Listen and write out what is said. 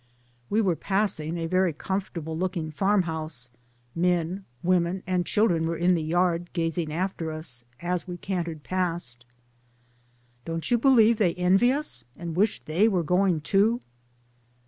We were passing a very comfortable look ing farmhouse, men, women, and children were in the yard, gazing after us, as we can tered past. "Don't you believe they envy us and wish they were going, too